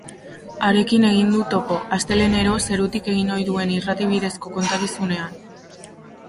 Harekin egin du topo, astelehenero zerutik egin ohi duen irrati bidezko kontakizunean.